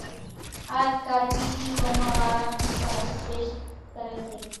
آز ڪال ٻيزِي قومان واران ٿِي پڻ اُوٺِ ٻيش ڪريَ سي۔